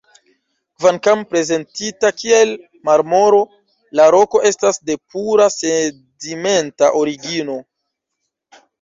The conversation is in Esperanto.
Kvankam prezentita kiel marmoro, la roko estas de pura sedimenta origino.